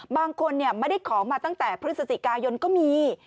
บางคนไม่ได้ของมาตั้งแต่พฤศจิกายนก็มี